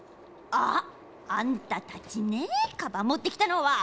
あっあんたたちねカバンもってきたのは。